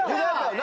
何？